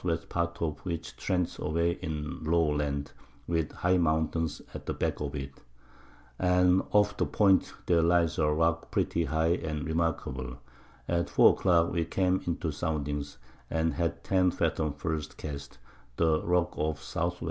W. Part of which trents away in low Land, with high Mountains at the back of it; and off the Point their lies a Rock pretty high and remarkable; at 4 a Clock we came into Soundings, and had 10 Fathom the first Cast; the Rock off the S.